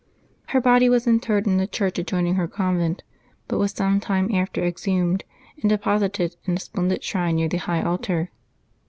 Her body was interred in the church adjoining her convent, but was some time after exhumed, and deposited in a splendid shrine near the high altar.